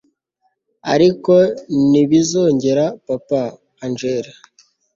ariko ntibizongera papa angella